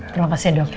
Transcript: terima kasih dok